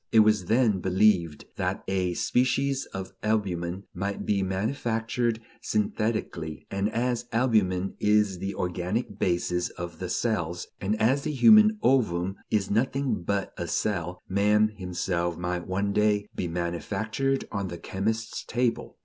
It was then believed that a species of albumen might be manufactured synthetically, and as albumen is the organic basis of the cells, and as the human ovum is nothing but a cell, man himself might one day be manufactured on the chemist's table.